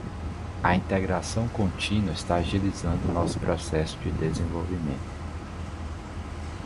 A integração contínua está agilizando nosso processo de desenvolvimento.